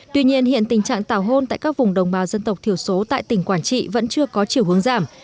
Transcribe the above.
tuy nhiên hiện tình trạng tảo hôn tại các vùng đồng bào dân tộc thiểu số tại tỉnh quảng trị vẫn chưa có chiều hướng giảm